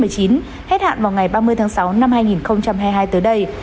hết hạn vào ngày ba mươi tháng sáu năm hai nghìn hai mươi hai tới đây